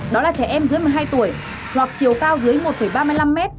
đó là trẻ em dưới một mươi hai tuổi hoặc chiều cao dưới một ba mươi năm m